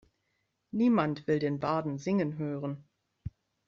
Niemand will den Barden singen hören.